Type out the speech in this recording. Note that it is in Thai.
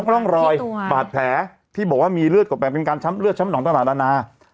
ร่องรอยบาดแผลที่บอกว่ามีเลือดกว่าเป็นการช้ำเลือดช้ำหนองต่างนานา